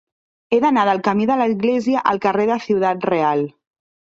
He d'anar del camí de l'Església al carrer de Ciudad Real.